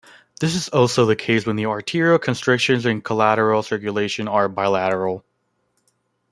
This is also the case when the arterial constriction and collateral circulation are bilateral.